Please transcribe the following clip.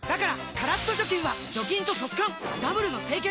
カラッと除菌は除菌と速乾ダブルの清潔！